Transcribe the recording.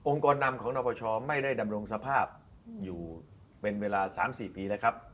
องค์กรนำของนับประชาไม่ได้ดำรงสภาพอยู่เป็นเวลา๓๔ปีแล้วครับ